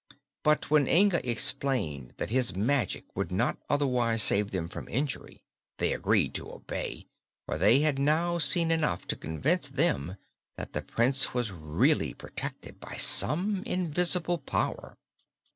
But when Inga explained that his magic would not otherwise save them from injury, they agreed to obey, for they had now seen enough to convince them that the Prince was really protected by some invisible power.